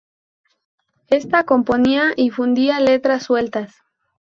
Esta componía y fundía letras sueltas.